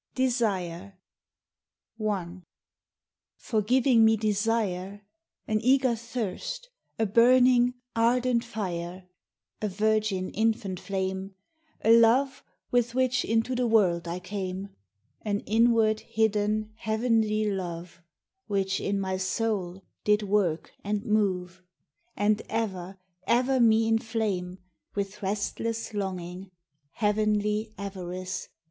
DESIRE I FOR giving me desire, An eager thirst, a burning ardent fire, A virgin infant flame, A Love with which into the world I came, An inward hidden heavenly love, Which in my soul did work and move, And ever ever me inflame With restless longing, heavenly avarice.